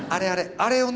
あれをね